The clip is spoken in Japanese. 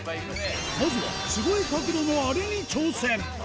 まずは、すごい角度のあれに挑戦！